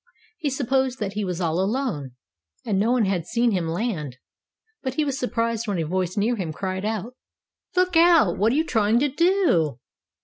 He supposed that he was all alone, and no one had seen him land, but he was surprised when a voice near him cried out: "Look out! What are you trying to do?"